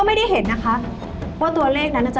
สนุกสนุกสนุกสนุก